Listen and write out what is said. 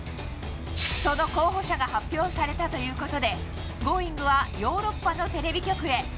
その候補者が発表されたということで、Ｇｏｉｎｇ！はヨーロッパ